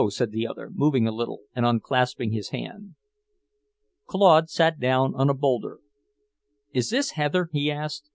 said the other, moving a little and unclasping his hand. Claude sat down on a boulder. "Is this heather?" he asked.